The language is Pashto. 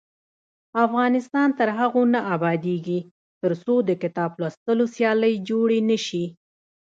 افغانستان تر هغو نه ابادیږي، ترڅو د کتاب لوستلو سیالۍ جوړې نشي.